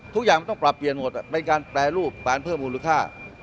ทุกอย่างมันต้องปรับเปลี่ยนหมดเป็นการแปรรูปการเพิ่มมูลค่า